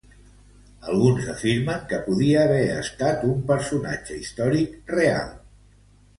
Alguns afirmen que podia haver estat un personatge històric real.